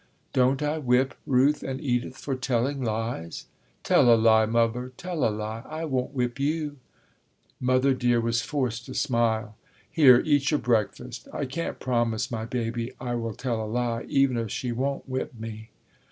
Don't I whip Ruth and Edith for telling lies?" "Tell a lie, Muvver, tell a lie, I won't whip you." Mother Dear was forced to smile. "Here, eat your breakfast, I can't promise my baby I will tell a lie, even if she won't whip me."